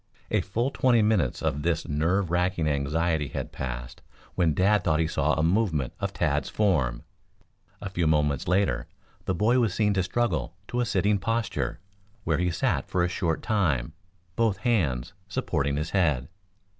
A full twenty minutes of this nerve racking anxiety had passed when Dad thought he saw a movement of Tad's form. A few moments later the boy was seen to struggle to a sitting posture, where he sat for a short time, both hands supporting his head.